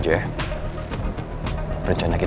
biar gue aja yang ambil